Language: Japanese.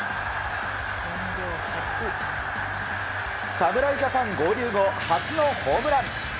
侍ジャパン合流後初のホームラン！